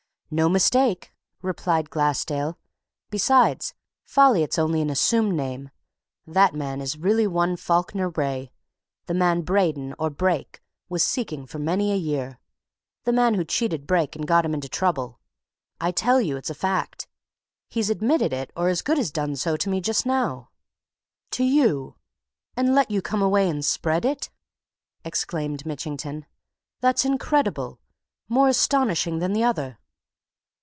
"No mistake," replied Glassdale. "Besides, Folliot's only an assumed name. That man is really one Falkiner Wraye, the man Braden, or Brake, was seeking for many a year, the man who cheated Brake and got him into trouble. I tell you it's a fact! He's admitted it, or as good as done so, to me just now." "To you? And let you come away and spread it?" exclaimed Mitchington. "That's incredible! more astonishing than the other!"